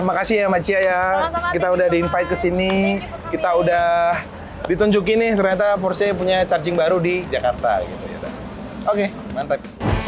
terima kasih ya mbak cia ya kita udah di invite kesini kita udah ditunjukin nih ternyata porsinya punya charging baru di jakarta gitu oke mantap